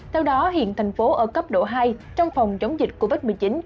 theo đó hiện thành phố ở cấp độ hai trong phòng chống dịch covid một mươi chín